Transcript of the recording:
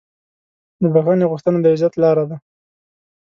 د بښنې غوښتنه د عزت لاره ده.